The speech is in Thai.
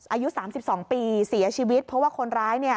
อายุ๓๒ปีเสียชีวิตเพราะว่าคนร้ายเนี่ย